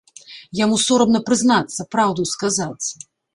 Яму сорамна прызнацца, праўду сказаць.